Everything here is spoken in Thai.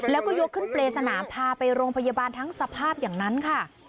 แล้วก็ยกขึ้นเปรย์สนามพาไปโรงพยาบาลทั้งสภาพอย่างนั้นค่ะ